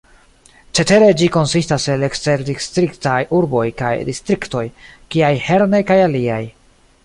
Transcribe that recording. Cetere ĝi konsistas el eksterdistriktaj urboj kaj distriktoj, kiaj Herne kaj aliaj.